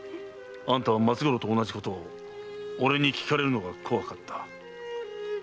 あんたは松五郎と同じことを俺に訊かれるのが怖かった。